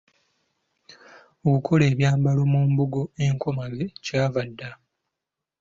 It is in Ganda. Okukola ebyambalo mu mbugo enkomage kyava dda.